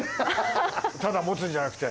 ただ持つんじゃなくて。